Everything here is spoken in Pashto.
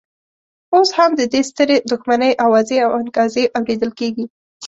اوس هم د دې سترې دښمنۍ اوازې او انګازې اورېدل کېږي.